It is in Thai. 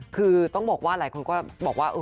คือต้องบอกว่าหลายคนก็บอกว่า